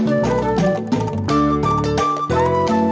semarang semarang semarang